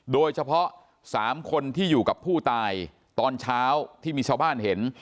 โดยเฉพาะ๓คนที่อยู่กับผู้ตายตอนเช้าที่มีชาวบ้านเห็น